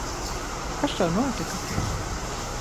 Kas tev notika?